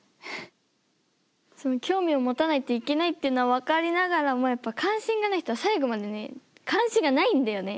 その興味を持たないといけないっていうのは分かりながらもやっぱ関心がない人は最後までね関心がないんだよね。